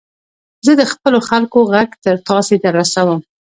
زه د خپلو خلکو ږغ تر تاسي در رسوم.